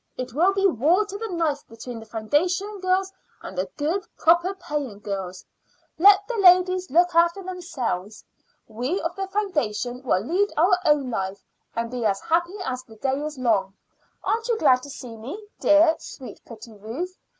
It will be war to the knife between the foundation girls and the good, proper, paying girls. Let the ladies look after themselves. We of the foundation will lead our own life, and be as happy as the day is long. Aren't you glad to see me, dear, sweet, pretty Ruth?